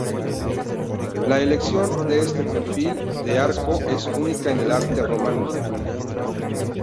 La elección de este perfil de arco es única en el arte románico.